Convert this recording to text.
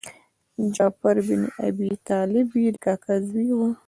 جعفر بن ابي طالب یې د کاکا زوی و.